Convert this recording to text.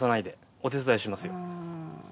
お手伝いしますよ。